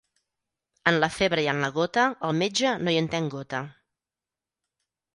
En la febre i en la gota, el metge no hi entén gota.